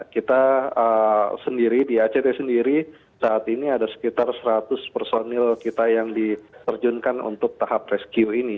kita sendiri di act sendiri saat ini ada sekitar seratus personil kita yang diterjunkan untuk tahap rescue ini